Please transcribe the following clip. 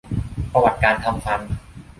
ประวัติการทำฟัน